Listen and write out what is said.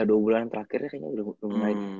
dua bulan yang terakhir ya kayaknya udah mulai